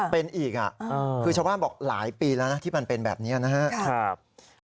เป็นอีกคือชาวบ้านบอกหลายปีแล้วนะที่มันเป็นแบบนี้นะครับ